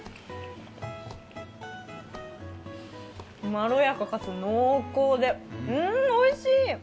まろやか、かつ濃厚で、うーん、おいしい。